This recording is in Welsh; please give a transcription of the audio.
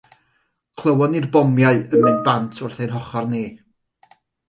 Clywon ni'r bomiau yn mynd bant wrth ein hochr ni